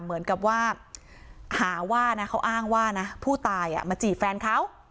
เหมือนกับว่าหาว่านะเขาอ้างว่านะผู้ตายมาจีบแฟนเขา